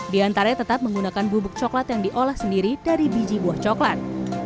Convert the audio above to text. di antaranya tetap menggunakan bubuk coklat yang diolah sendiri dari biji buah coklat